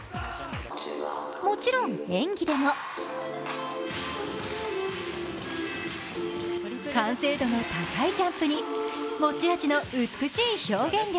もちろん演技でも完成度の高いジャンプに持ち味の美しい表現力。